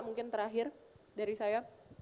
mungkin terakhir dari saya